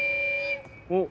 おっ。